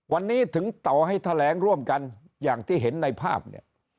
วันนี้ถึงต่อให้แถลงร่วมกันอย่างที่เห็นในภาพเนี่ย